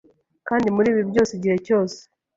kandi muri byose igihe cyose